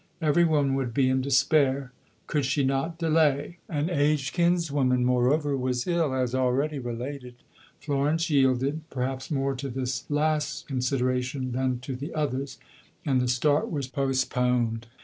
Every one would be in despair. Could she not delay? An aged kinswoman, moreover, was ill, as already related. Florence yielded, perhaps more to this last consideration than to the others, and the start was postponed.